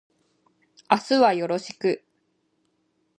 明日はよろしく